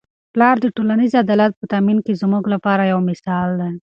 پلار د ټولنیز عدالت په تامین کي زموږ لپاره یو مثال دی.